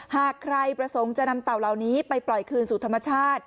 หากใครประสงค์จะนำเต่าเหล่านี้ไปปล่อยคืนสู่ธรรมชาติ